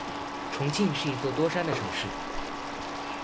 重庆是一座多山的城市。